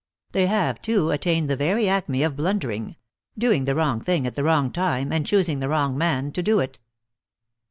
They have, too, attained the very acme of blundering ; doing the wrong thing at the \vrong time, and choosing the wrong man to do it."